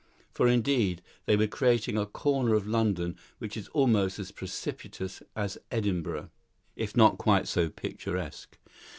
For, indeed, they were cresting a corner of London which is almost as precipitous as Edinburgh, if not quite so picturesque.